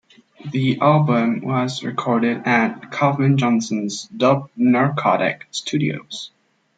The album was recorded at Calvin Johnson's "Dub Narcotic Studios".